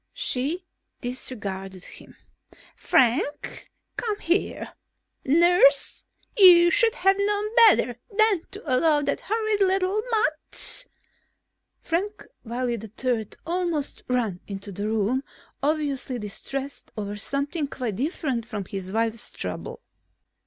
She disregarded him. "Frank! Come here! Nurse, you should have known better than to allow that horrid little mutt...." Frank Wiley III almost ran into the room, obviously distressed over something quite different from his wife's trouble.